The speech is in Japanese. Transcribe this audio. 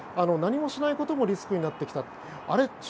何もしないこともリスクになってきた。